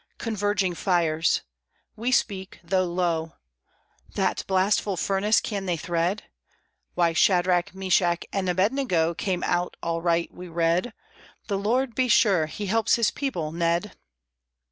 Converging fires. We speak, though low: "That blastful furnace can they thread?" "Why, Shadrach, Meshach, and Abednego Came out all right, we read; The Lord, be sure, he helps his people, Ned."